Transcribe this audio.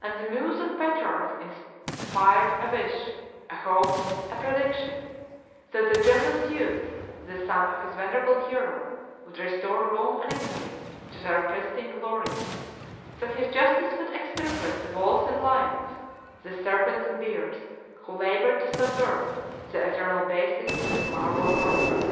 And the muse of Petrarch inspired a wish, a hope, a prediction, that the generous youth, the son of his venerable hero, would restore Rome and Italy to their pristine glory; that his justice would extirpate the wolves and lions, the serpents and bears, who labored to subvert the eternal basis of the marble column.